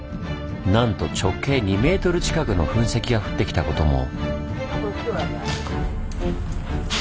なんと直径２メートル近くの噴石が降ってきたことも。